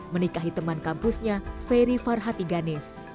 menikahi teman kampusnya ferry farhati ganis